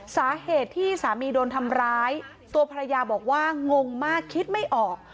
สาเหตุที่สามีโดนทำร้ายตัวภรรยาบอกว่างงมากคิดไม่ออก